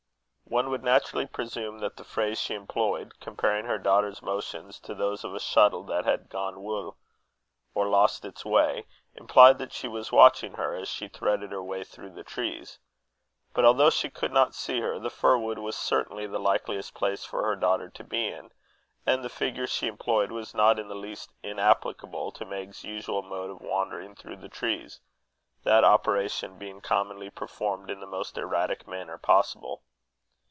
One would naturally presume that the phrase she employed, comparing her daughter's motions to those of a shuttle that had "gane wull," or lost its way, implied that she was watching her as she threaded her way through the trees. But although she could not see her, the fir wood was certainly the likeliest place for her daughter to be in; and the figure she employed was not in the least inapplicable to Meg's usual mode of wandering through the trees, that operation being commonly performed in the most erratic manner possible.